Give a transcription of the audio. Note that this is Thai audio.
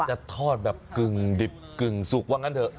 จะทอดแบบกึ่งดิบกึ่งสุกว่างั้นเถอะ